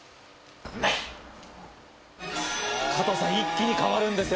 加藤さん、一気に変わるんですよ。